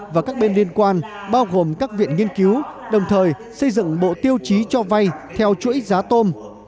và các bên liên quan bao gồm các viện nghiên cứu đồng thời xây dựng bộ tiêu chí cho vay theo chuỗi giá tôm